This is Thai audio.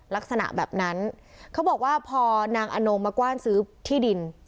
ลักษณะแบบนั้นเขาบอกว่าพอนางอนงมากว้านซื้อที่ดิน